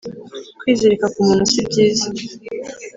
kwizirika k’umuntu si byiza